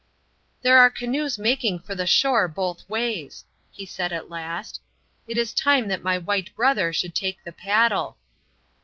"There are canoes making for the shore both ways," he said at last. "It is time that my white brother should take the paddle."